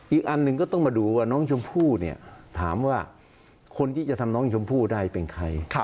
อีกอันหนึ่งก็ต้องมาดูว่าน้องชมพู่เนี่ยถามว่าคนที่จะทำน้องชมพู่ได้เป็นใคร